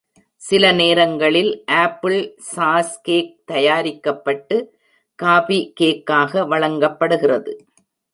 சில நேரங்களில் apple sauce cake தயாரிக்கப்பட்டு காபி கேக்காக வழங்கப்படுகிறது.